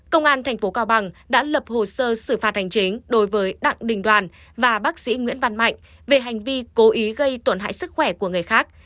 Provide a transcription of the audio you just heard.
công an tp cao bằng đã lập hồ sơ xử phạt hành chính đối với đặng đình đoàn và bác sĩ nguyễn văn mạnh về hành vi cố ý gây tổn hại sức khỏe của người khác